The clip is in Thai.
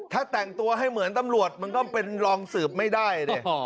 ถ้าแต่งตัวให้เหมือนตำรวจมันก็เป็นรองสืบไม่ได้ดิ